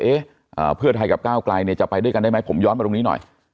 เอ๊ะเพื่อไทยกับก้าวไกลเนี่ยจะไปด้วยกันได้ไหมผมย้อนมาตรงนี้หน่อย